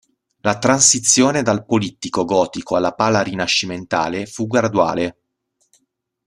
La transizione dal polittico gotico alla pala rinascimentale fu graduale.